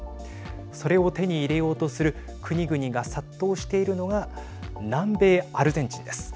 それを手に入れようとする国々が殺到しているのが南米、アルゼンチンです。